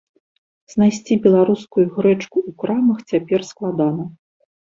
Знайсці беларускую грэчку ў крамах цяпер складана.